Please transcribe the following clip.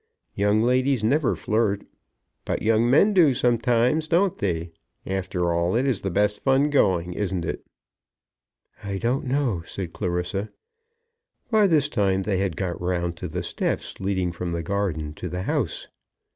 Young ladies never flirt. But young men do sometimes; don't they? After all, it is the best fun going; isn't it?" "I don't know," said Clarissa. By this time they had got round to the steps leading from the garden to the house.